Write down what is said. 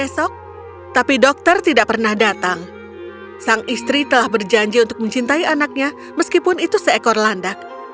sang istri telah berjanji untuk mencintai anaknya meskipun itu seekor landak